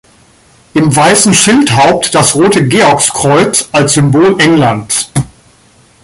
Im weißen Schildhaupt das rote Georgskreuz als Symbol Englands.